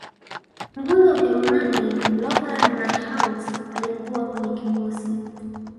nguli wa ujerumani lothar matthaus alikuwa kwenye kikosi